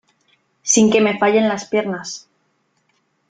sin que me fallen las piernas .